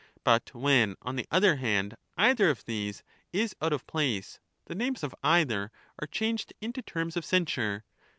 But when, on the other hand, either of these is out of place, the names of either are changed into terms of censure.